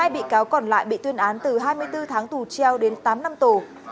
một mươi bị cáo còn lại bị tuyên án từ hai mươi bốn tháng tù treo đến tám năm tù